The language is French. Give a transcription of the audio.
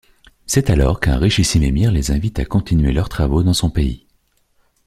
C'est alors qu'un richissime émir les invite à continuer leurs travaux dans son pays.